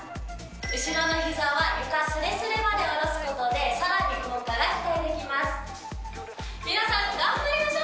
後ろのひざは床すれすれまで下ろすことで、さらに効果が期待できます。